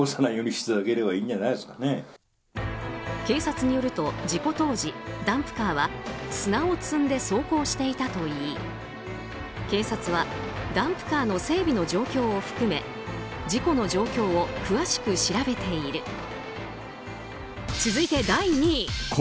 警察によると事故当時、ダンプカーは砂を積んで走行していたといい警察はダンプカーの整備の状況を含め事故の状況を詳しく調べている。